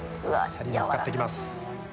シャリのっかっていきます。